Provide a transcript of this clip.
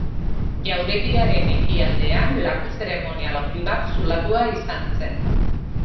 Jauregiaren ekialdean, laku zeremonial handi bat zulatua izan zen.